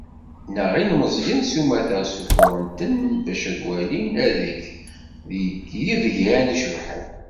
Neɣ ilemẓiyen s umata, ssufuɣen-ten bac ad d-walin adeg seg yidgan icebḥen.